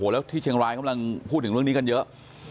แล้วที่เชียงรายกำลังพูดถึงเรื่องนี้กันเยอะ